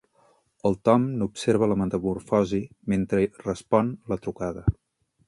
El Tom n'observa la metamorfosi mentre respon la trucada.